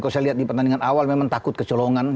kalau saya lihat di pertandingan awal memang takut kecolongan